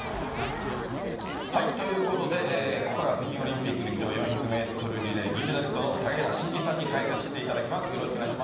ということで、ここからは北京オリンピック陸上４００メートルリレー銀メダリストの高平慎士さんに解説をしてもらいます。